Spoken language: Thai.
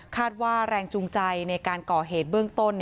ว่าแรงจูงใจในการก่อเหตุเบื้องต้น